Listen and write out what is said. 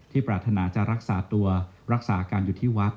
ปรารถนาจะรักษาตัวรักษาการอยู่ที่วัด